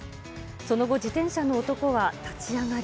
その後、自転車の男は立ち上がり。